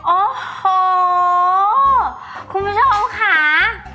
โอ้โหคุณผู้ชมค่ะ